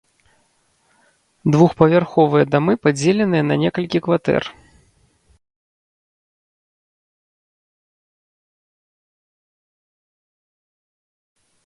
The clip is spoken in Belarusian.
Двухпавярховыя дамы падзеленыя на некалькі кватэр.